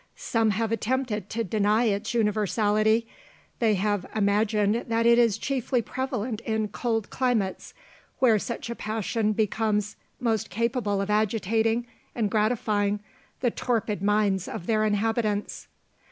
Some have attempted to deny its universality; they have imagined that it is chiefly prevalent in cold climates, where such a passion becomes most capable of agitating and gratifying the torpid minds of their inhabitants.